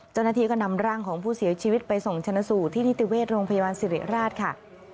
เจ้าหน้าที่ก็นำร่างของผู้เสียชีวิตไปส่งชนะสูตรที่นิติเวชโรงพยาบาลสิริราชค่ะ